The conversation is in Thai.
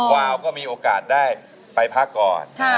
วาวก็มีโอกาสได้ไปพักก่อน